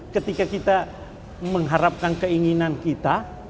ketika kita mengharapkan keinginan kita